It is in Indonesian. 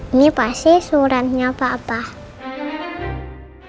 ini pasti suratnya bapak